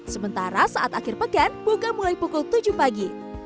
sementara saat akhir pekan buka mulai pukul tujuh pagi